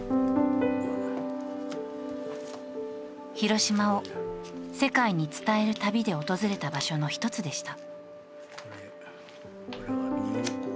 ヒロシマを世界に伝える旅で訪れた場所の一つでした。